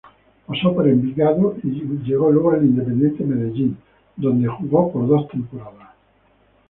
Pasó por Envigado y llegó luego al Independiente Medellín, donde jugó por dos temporadas.